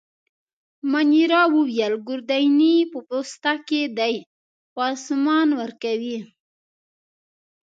مانیرا وویل: ګوردیني په پوسته کي دی، پاسمان ورکوي.